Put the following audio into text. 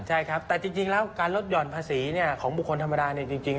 ใช่ครับแต่จริงแล้วการลดห่อนภาษีของบุคคลธรรมดาเนี่ยจริง